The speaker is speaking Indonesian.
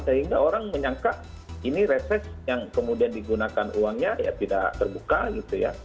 sehingga orang menyangka ini reses yang kemudian digunakan uangnya ya tidak terbuka gitu ya